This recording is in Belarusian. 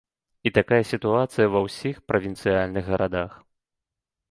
І такая сітуацыя ва ўсіх правінцыяльных гарадах.